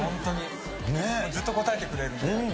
ずっと答えてくれるんで。